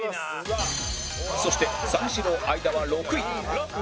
そして三四郎相田は６位